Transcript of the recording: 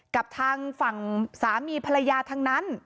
กับทางฝั่งสามีภรรยาทางนั้น